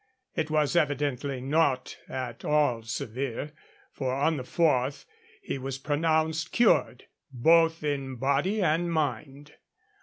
It was evidently not at all severe, for on the 4th he was pronounced cured, 'both in body and mind.'